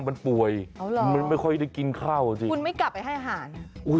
มันป่วยมันไม่ค่อยได้กินข้าวอ่ะสิคุณไม่กลับไปให้อาหาร